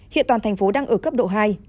hiện toàn thành phố đang ở cấp độ hai